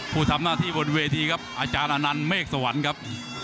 ผู้ทำหน้าที่บนเวทีครับอาจารย์อนันต์เมฆสวรรค์ครับ